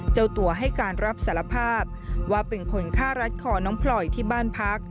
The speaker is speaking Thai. เจ้าตัวให้การรับสารภาพว่าเป็นคนฆ่ารัดคอน้องพลอยที่บ้านพัก